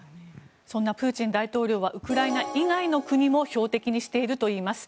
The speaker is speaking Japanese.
そんなプーチン大統領はウクライナ以外の国も標的にしているといいます。